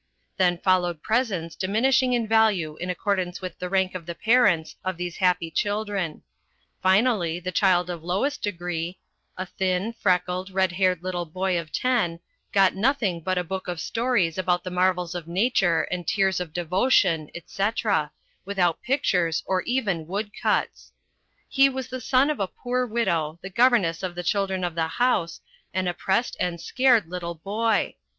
Then followed presents diminishing in value in accordance with the rank of the parents of these happy children; finally, the child of lowest degree, a thin, freckled, red haired little boy of ten, got nothing but a book of stories about the marvels of nature and tears of devo tion, etc., without pictures or even woodcuts. He was the son of a poor widow, the governess of the children of the house, an oppressed and scared little boy.